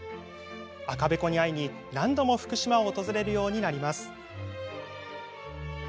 赤べこに会いに何度も福島を訪れるようになります。